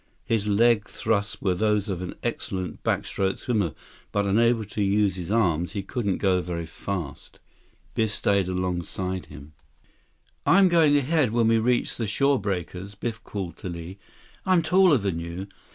His leg thrusts were those of an excellent backstroke swimmer, but unable to use his arms, he couldn't go very fast. Biff stayed alongside him. 132 "I'm going ahead when we reach the shore breakers," Biff called to Li. "I'm taller than you.